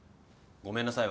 ごめんなさい。